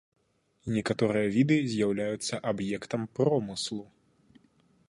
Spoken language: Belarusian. Некаторыя віды з'яўляюцца аб'ектам промыслу.